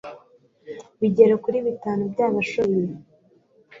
bagera kuri bitanu byabashoboye